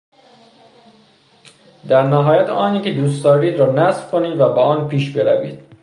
در نهایت آنی که دوست دارید را نصب کنید و با آن پیش بروید.